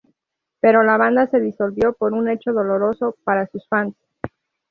Pero la banda se disolvió, por un hecho doloroso para sus fans.